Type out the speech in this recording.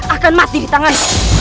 akan masih di tangan